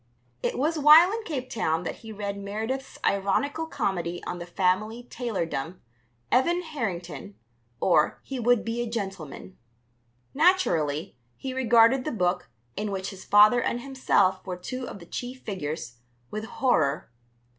It was while in Cape Town that he read Meredith's ironical comedy on the family tailordom, Evan Harrington; or He Would be a Gentleman. Naturally, he regarded the book (in which his father and himself were two of the chief figures) with horror.